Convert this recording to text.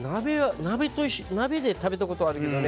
鍋で食べたことはあるけどね。